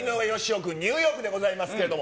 君、ニューヨークでございますけれども。